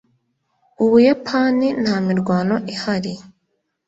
ubuyapani nta mirwano ihari